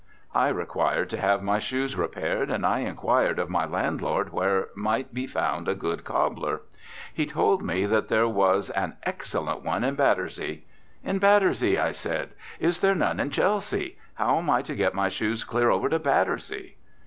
I required to have my shoes repaired, and I inquired of my landlord where might be found a good cobbler. He told me that there was an excellent one in Battersea. "In Battersea!" I said. "Is there none in Chelsea? How am I to get my shoes clear over to Battersea?"